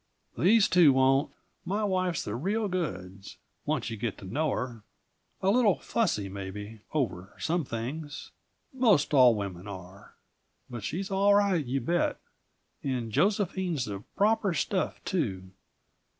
"These two won't. My wife's the real goods, once you get to know her; a little fussy, maybe, over some things most all women are. But she's all right, you bet. And Josephine's the proper stuff too.